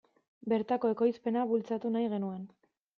Bertako ekoizpena bultzatu nahi genuen.